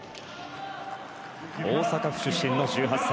大阪府出身の１８歳。